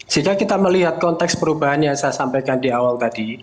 jika kita melihat konteks perubahan yang saya sampaikan di awal tadi